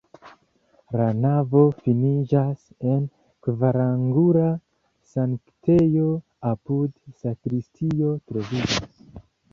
La navo finiĝas en kvarangula sanktejo, apude sakristio troviĝas.